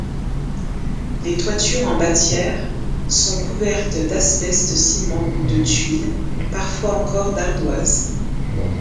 Les toitures en bâtière sont couvertes d’asbeste-ciment ou de tuile, parfois encore d’ardoise.